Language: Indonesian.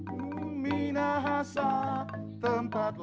kita nakal vezkang mengembang sobie